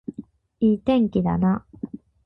いい天気だな